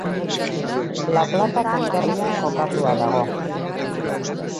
La Plata konderrian kokatua dago.